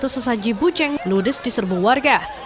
satu dua ratus sesaji buceng ludes di serbu warga